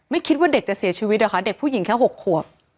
คิดว่าเด็กจะเสียชีวิตเหรอคะเด็กผู้หญิงแค่๖ขวบ